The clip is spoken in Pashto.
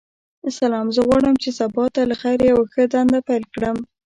سلام ،زه غواړم چی سبا ته لخیر یوه ښه دنده پیل کړم.